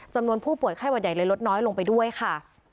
จำนวนผู้ป่วยไข้หวัดใหญ่เลยลดน้อยลงไปด้วยค่ะ